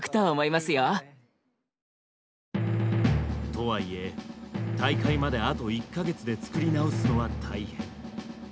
とはいえ大会まであと１か月で作り直すのは大変。